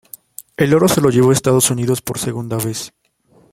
El oro se lo llevó Estados Unidos por segunda vez.